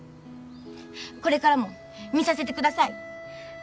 これからも見させてください。